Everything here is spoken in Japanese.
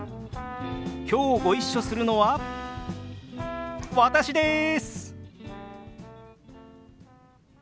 きょうご一緒するのは私です！